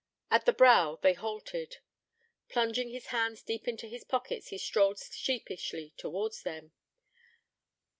At the brow they halted: plunging his hands deep into his pockets, he strolled sheepishly towards them.